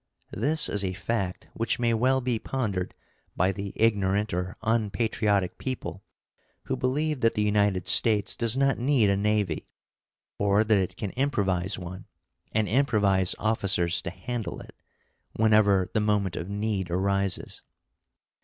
This is a fact which may well be pondered by the ignorant or unpatriotic people who believe that the United States does not need a navy, or that it can improvise one, and improvise officers to handle it, whenever the moment of need arises.